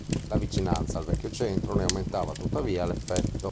La vicinanza al vecchio centro ne aumentava tuttavia l'effetto.